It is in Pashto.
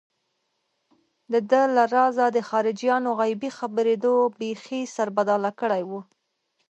دده له رازه د خارجيانو غيبي خبرېدو بېخي سربداله کړی و.